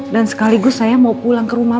dan sekaligus saya mau pulang ke rumah